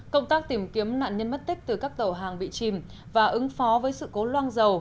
công tác tìm kiếm nạn nhân mất tích từ các tàu hàng bị chìm và ứng phó với sự cố loang dầu